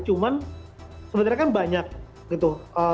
cuman sebenarnya kan banyak gitu